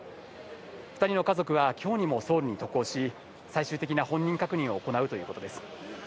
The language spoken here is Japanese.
２人の家族は今日にもソウルに渡航し、最終的な本人確認を行うということです。